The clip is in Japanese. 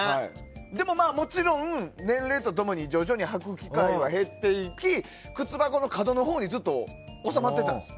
でももちろん、年齢と共に徐々に履く機会は減っていき靴箱の角のほうにずっと収まってたんですよ。